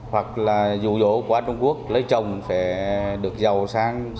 hoặc là dù dỗ qua trung quốc lấy chồng phải được giàu sang